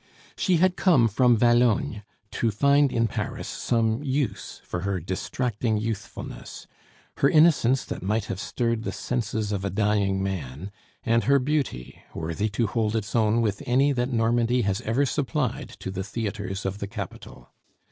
She had come from Valognes to find in Paris some use for her distracting youthfulness, her innocence that might have stirred the senses of a dying man, and her beauty, worthy to hold its own with any that Normandy has ever supplied to the theatres of the capital.